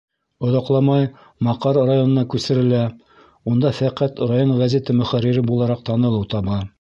Оҙаҡламай Маҡар районына күсерелә, унда фәҡәт район гәзите мөхәррире булараҡ танылыу таба.